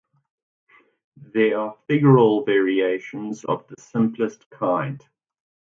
They are figural variations of the simplest kind.